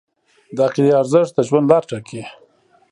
د عقیدې ارزښت د ژوند لار ټاکي.